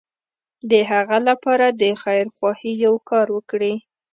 د هغه لپاره د خيرخواهي يو کار وکړي.